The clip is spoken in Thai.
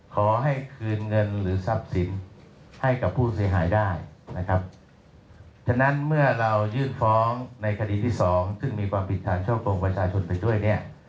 ขอให้คืนเงินหรือทรัพย์สินให้กับผู้เสียหายได้นะครับฉะนั้นเมื่อเรายื่นฟ้องในคดีที่สองซึ่งมีความผิดฐานช่อกงประชาชนไปด้วยเนี่ย